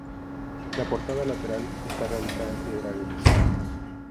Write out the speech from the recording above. La portada lateral está realizada en piedra arenisca.